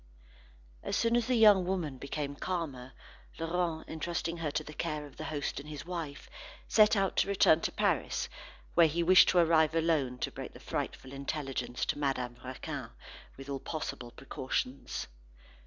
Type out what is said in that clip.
As soon as the young woman became calmer, Laurent entrusting her to the care of the host and his wife, set out to return to Paris, where he wished to arrive alone to break the frightful intelligence to Madame Raquin, with all possible precautions.